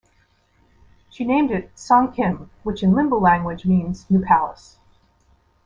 She named it "Song Khim" which in Limbu language means "New Palace".